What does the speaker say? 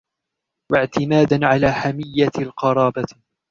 وَاعْتِمَادًا عَلَى حَمِيَّةٍ الْقَرَابَةِ